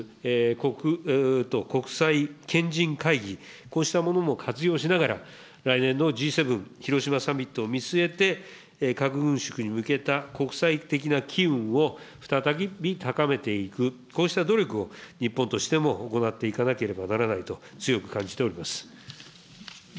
国際賢人会議、こうしたものも活用しながら、来年のＧ７広島サミットを見据えて核軍縮に向けた国際的な機運を再び高めていく、こうした努力を日本としても行っていかなければならないと強く感じております。